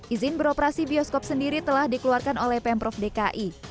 izin beroperasi bioskop sendiri telah dikeluarkan oleh pemprov dki